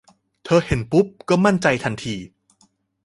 เธอเห็นปุ๊บก็มั่นใจทันที